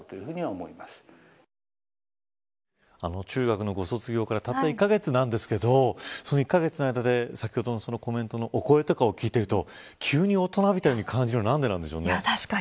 中学のご卒業からたった１カ月なんですけどその１カ月の間で、先ほどのコメントのお声とかを聞いていると急に大人びたように感じるのは何ででしょうかね。